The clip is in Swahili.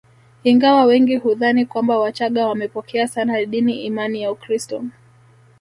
Ingawa wengi hudhani kwamba wachaga wamepokea sana dini imani ya Ukristo